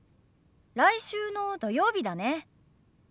来週の土曜日だね。